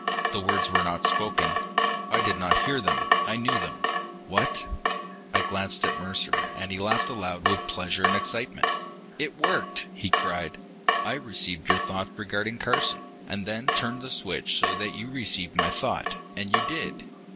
The words were not spoken. I did not hear them, I knew them. What I glanced at Mercer, and he laughed aloud with pleasure and excitement. "It worked!" he cried. "I received your thought regarding Carson, and then turned the switch so that you received my thought. And you did!"